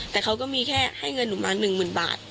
แต่เขาก็มีแค่ให้เงินหนุนมาหนึ่งหมื่นบาท